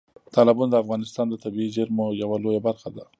تالابونه د افغانستان د طبیعي زیرمو یوه لویه برخه ده.